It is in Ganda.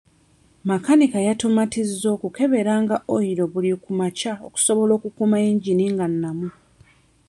Makanika yatumatizza okukeberanga oyiro buli ku makya okusobola okukuuma yingini nga nnamu.